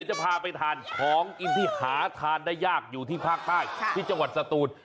จะพาไปทานของกินที่หาทานได้ยากอยู่ที่ภาคใต้ที่จังหวัดสตูน